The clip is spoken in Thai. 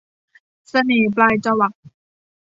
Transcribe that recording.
เสน่ห์ปลายจวัก